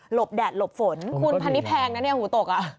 บแดดหลบฝนคุณพันนี้แพงนะเนี่ยหูตกอ่ะ